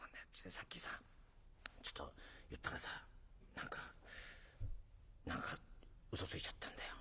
さっきさちょっと言ったらさ何か何か嘘ついちゃったんだよ」。